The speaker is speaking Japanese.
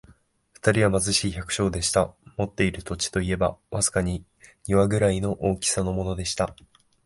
二人は貧しい百姓でした。持っている土地といえば、わずかに庭ぐらいの大きさのものでした。